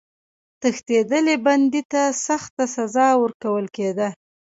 تښتېدلي بندي ته سخته سزا ورکول کېده.